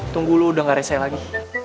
tunggu lo udah gak rese lagi